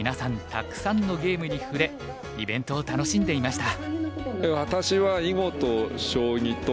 たくさんのゲームに触れイベントを楽しんでいました。